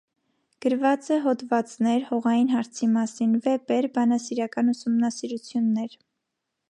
Գրած է յօդուածներ (հողային հարցի մասին), վէպեր, բանասիրական ուսումնասիրութիւններ։